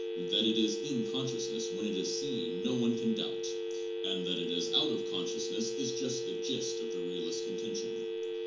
That it is in con sciousness when it is seen, no one can doubt; and that it is out of consciousness is just the gist of the realist's contention.'